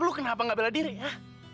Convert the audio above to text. lu kenapa gak bela diri ya